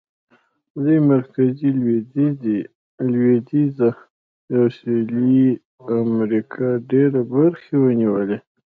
دوی مرکزي، لوېدیځه او سوېلي امریکا ډېرې برخې ونیولې.